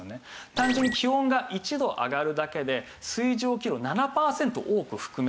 単純に気温が１度上がるだけで水蒸気を７パーセント多く含める。